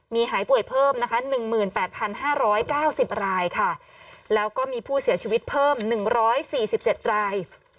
มีหายป่วยเพิ่มนะคะ๑๘๕๙๐รายค่ะแล้วก็มีผู้เสียชีวิตเพิ่ม๑๔๗ราย